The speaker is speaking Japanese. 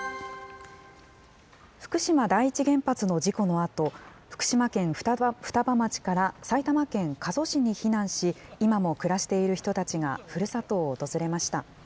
福島第一原発の事故のあと、福島県双葉町から埼玉県加須市に避難し、今も暮らしている人たちがふるさとを訪れました。